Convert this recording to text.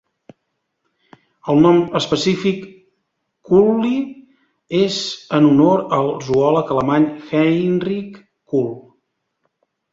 El nom específic, "kuhli", és en honor al zoòleg alemany Heinrich Kuhl.